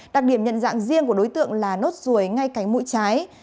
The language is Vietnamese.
đặc điểm nhận dạng riêng của đối tượng là nốt ruồi ngay cánh mũi trái